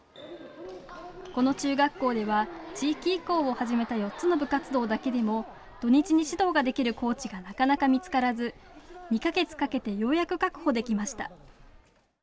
この中学校では地域移行を始めた４つの部活動だけでも土日に指導ができるコーチがなかなか見つからず２か月かけてようやく確保できました。